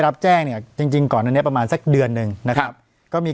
ปากกับภาคภูมิ